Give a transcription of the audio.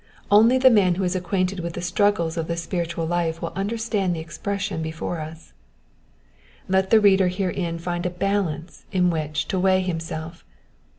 Only the man who is acquainted with the struggles of the spiritual life will understand the expression before us. Let the reader herein find a balance in which to weigh himself.